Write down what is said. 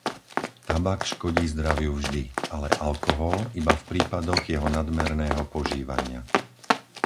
Tabak škodí zdraviu vždy, ale alkohol iba v prípadoch jeho nadmerného požívania.